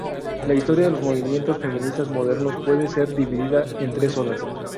La historia de los movimientos feministas modernos puede ser dividida en tres olas.